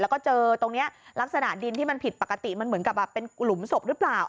แล้วก็เจอตรงนี้ลักษณะดินที่มันผิดปกติมันเหมือนกับแบบเป็นหลุมศพหรือเปล่า